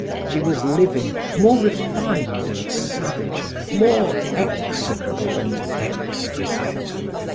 She was living, more refined and savage, more execrable and exquisite.